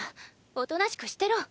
おとなしくしてろ！